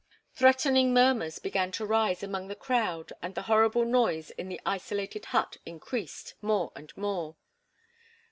Threatening murmurs began to rise among the crowd and the horrible noise in the isolated hut increased more and more.